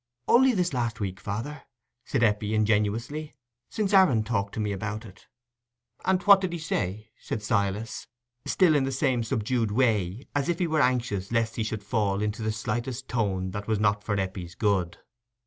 "Only this last week, father," said Eppie, ingenuously, "since Aaron talked to me about it." "And what did he say?" said Silas, still in the same subdued way, as if he were anxious lest he should fall into the slightest tone that was not for Eppie's good.